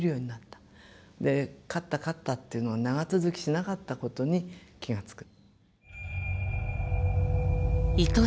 で勝った勝ったっていうのは長続きしなかったことに気が付く。